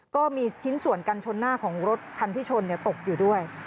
ก็มีชิ้นส่วนกันชนหน้าของรถคันที่ชนตกอยู่ด้วย